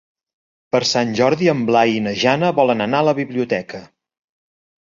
Per Sant Jordi en Blai i na Jana volen anar a la biblioteca.